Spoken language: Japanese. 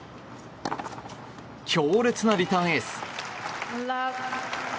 強烈なリターンエース。